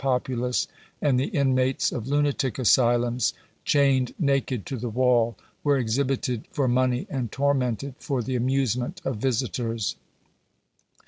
populace ; and the inmates of lunatic asylums, chained naked to the wall, were exhibited for money, and tormented for the amusement of visitors.